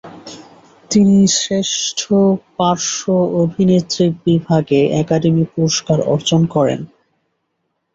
তিনি শ্রেষ্ঠ পার্শ্ব অভিনেত্রী বিভাগে একাডেমি পুরস্কার অর্জন করেন।